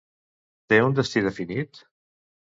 Té un destí definit?